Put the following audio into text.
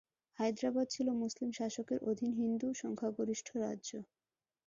হায়দ্রাবাদ ছিল মুসলিম শাসকের অধীন হিন্দু সংখ্যাগরিষ্ঠ রাজ্য।